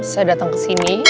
saya datang kesini